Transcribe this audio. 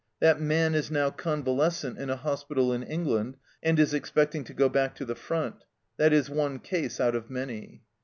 That man is now convalescent in a hospital in England, and is expecting to go back to the front. That is one case out of many.